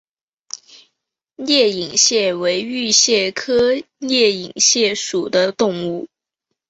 裂隐蟹为玉蟹科裂隐蟹属的动物。